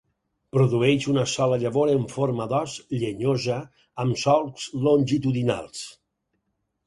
Produeix una sola llavor en forma d'os, llenyosa, amb solcs longitudinals.